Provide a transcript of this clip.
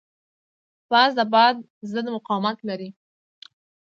باز د باد ضد مقاومت لري